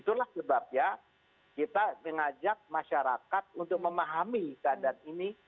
itulah sebabnya kita mengajak masyarakat untuk memahami keadaan ini